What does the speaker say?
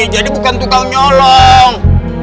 jadi bukan tukang nyolong